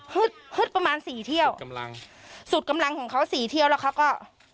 ฮึดประมาณสี่เที่ยวกำลังสุดกำลังของเขาสี่เที่ยวแล้วเขาก็